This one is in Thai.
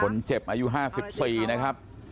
คนเจ็บอายุ๕๔นะครับ